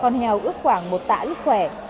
con heo ước khoảng một tả lúc khỏe